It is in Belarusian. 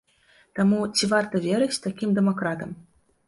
Таму ці варта верыць такім дэмакратам?